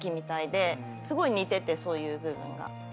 すごい似ててそういう部分が。